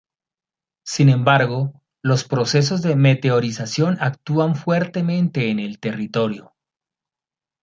Sin embargo, los procesos de meteorización actúan fuertemente en el territorio.